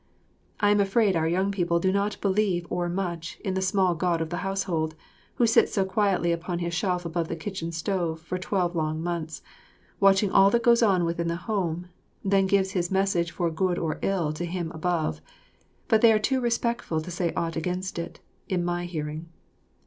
I am afraid our young people do not believe o'ermuch in this small God of the Household, who sits so quietly upon his shelf above the kitchen stove for twelve long months, watching all that goes on within the home, then gives his message for good or ill to Him above; but they are too respectful to say ought against it in my hearing.